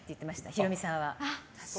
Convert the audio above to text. ヒロミさんは。